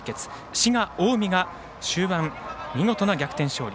滋賀・近江が終盤、見事な逆転勝利。